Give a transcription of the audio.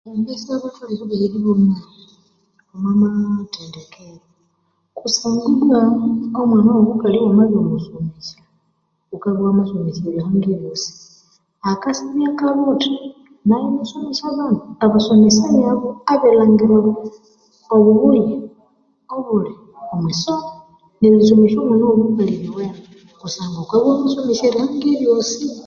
Erisomesya omwana wobukali lyuwene kusanga ghukabyaa iwamasomesya erihanga elyosi